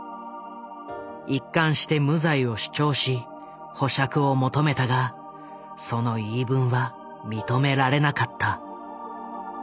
一貫して無罪を主張し保釈を求めたがその言い分は認められなかった。